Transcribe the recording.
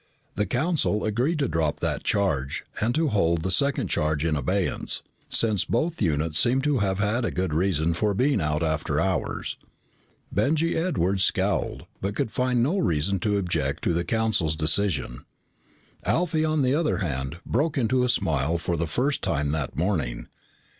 The Council agreed to drop that charge and to hold the second charge in abeyance, since both units seemed to have had good reason for being out after hours. Benjy Edwards scowled but could find no reason to object to the Council's decision. Alfie, on the other hand, broke into a smile for the first time that morning.